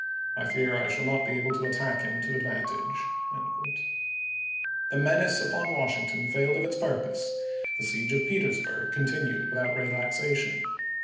I fear I shall not be able to attack him to advan tage." The menace upon Washington failed of its purpose ; the siege of Petersburg continued with out relaxation.